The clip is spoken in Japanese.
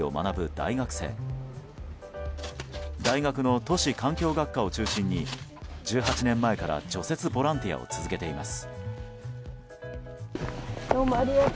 大学の都市環境学科を中心に１８年前から除雪ボランティアを続けています。